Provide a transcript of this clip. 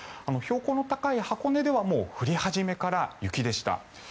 標高の高い箱根ではもう降り始めから雪でした。